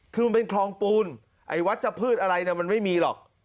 คือเป็นครองปูนไอ้วัชพฤษอะไรมันไม่มีหรอก